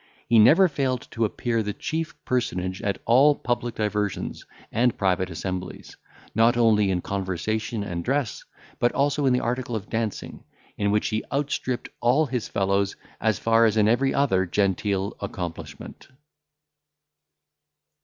He never failed to appear the chief personage at all public diversions and private assemblies, not only in conversation and dress, but also in the article of dancing, in which he outstripped all his fellows, as far as in every other genteel accomplishment.